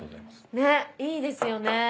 ねぇいいですよね。